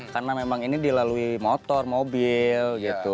karena memang ini dilalui motor mobil